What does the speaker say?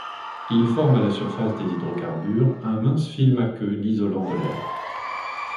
Il forme à la surface des hydrocarbures un mince film aqueux l'isolant de l'air.